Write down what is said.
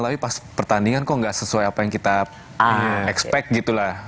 tapi pas pertandingan kok gak sesuai apa yang kita expect gitu lah